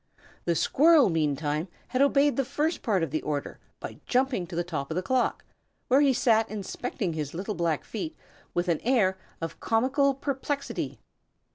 ] The squirrel, meanwhile, had obeyed the first part of the order by jumping to the top of the clock, where he sat inspecting his little black feet with an air of comical perplexity.